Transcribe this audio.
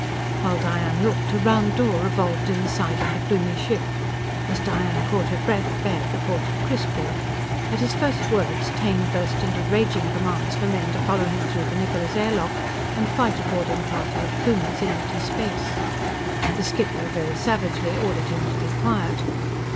While Diane looked, a round door revolved in the side of the Plumie ship. As Diane caught her breath, Baird reported crisply. At his first words Taine burst into raging commands for men to follow him through the Niccola's air lock and fight a boarding party of Plumies in empty space. The skipper very savagely ordered him to be quiet.